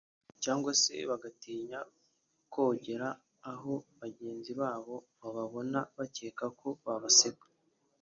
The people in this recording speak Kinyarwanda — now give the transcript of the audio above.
cyangwa se bagatinya kogera aho bagenzi babo bababona bakeka ko babaseka